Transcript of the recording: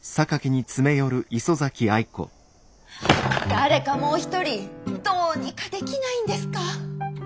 誰かもう一人どうにかできないんですか？